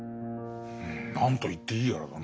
うん何と言っていいやらだな。